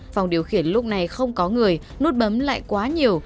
phòng điều khiển lúc này không có người núp bấm lại quá nhiều